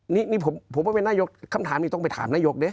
นี่ผมว่าเป็นนายกคำถามนี้ต้องไปถามนายกดิ